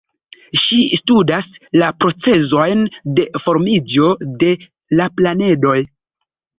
Ŝi studas la procezojn de formiĝo de la planedoj.